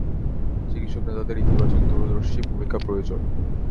চিকিৎসক নেতাদের ইতিবাচক দূরদর্শী ভূমিকা প্রয়োজন।